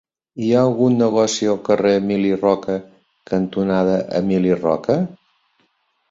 Hi ha algun negoci al carrer Emili Roca cantonada Emili Roca?